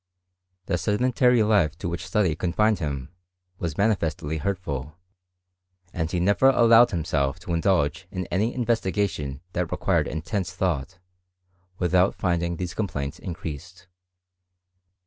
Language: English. The sedentary life to which study confined him, manifestly hurtful ; and he never allowed himself indulge in any investigation that required thought, without finding these complaints increased.